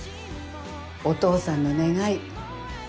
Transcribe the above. お父さんの願い。